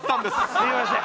すいません